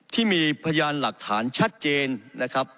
ที่มีพยานหลักฐานชัดเจนนะครับ